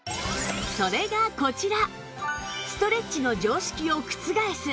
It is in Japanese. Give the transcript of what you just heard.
それがこちら